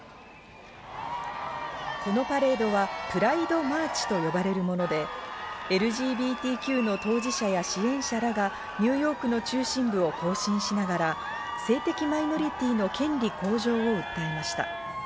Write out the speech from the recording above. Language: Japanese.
このパレードはプライド・マーチと呼ばれるもので、ＬＧＢＴＱの当事者や支援者らがニューヨークの中心部を行進しながら、性的マイノリティーの権利向上を訴えました。